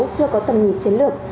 chưa có tầm nhìn chiến lược